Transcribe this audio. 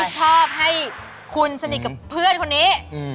ชอบให้คุณสนิทกับเพื่อนคนนี้